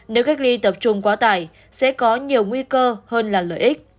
nếu cách ly tập trung quá tải sẽ có nhiều nguy cơ hơn là lợi ích